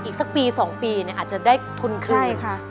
อีกสักปี๒ปีเนี่ยอาจจะได้ทุนคืน